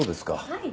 はい。